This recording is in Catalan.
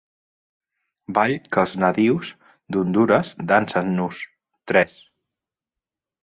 Ball que els natius d'Hondures dansen nus; tres.